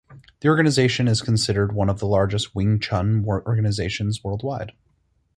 The organization is considered one of the largest Wing Chun organizations worldwide.